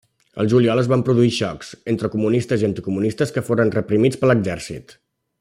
El juliol es van produir xocs entre comunistes i anticomunistes que foren reprimits per l'exèrcit.